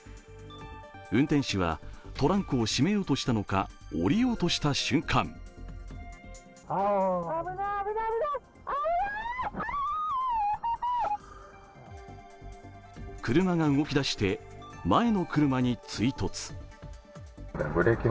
運転手はトランクを閉めようとしたのか降りようとした瞬間車が動きだして、前の車に追突。